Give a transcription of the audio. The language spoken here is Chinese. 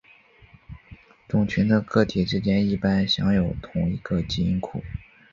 种群的个体之间一般享有同一个基因库。